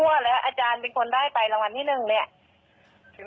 เจ้าเฮดอาจารย์เดินร้านหลีบน้ำน้ำแล้ววันนี้ไปกันมาไม่ได้ไป